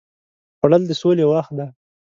خوړل د سولې وخت دی